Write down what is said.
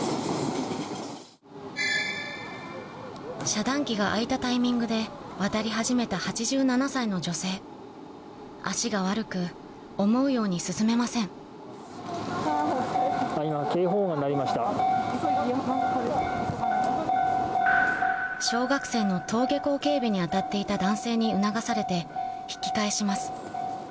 遮断機が開いたタイミングで渡り始めた足が悪く思うように進めません小学生の登下校警備に当たっていた男性に促されて引き返します